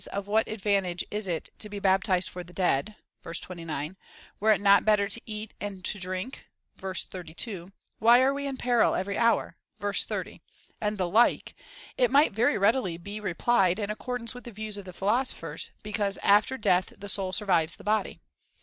Of what advantage is it to be baptized for the dead ? (verse 29.) Were it not better to eat and to drink ? (verse 32.) Why are we in peril every hour t (verse 30,) and the like, it might very readily be replied, in accordance with the views of the philosophers, "Because after death the soul survives the body.''